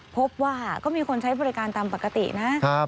พบว่าก็มีคนใช้บริการตามปกตินะ